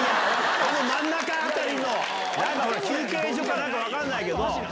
あの真ん中辺りの、休憩所かなんか分かんないけど。